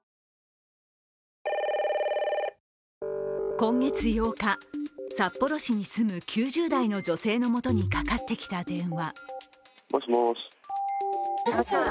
今月８日、札幌市に住む９０代の女性のもとにかかってきた電話。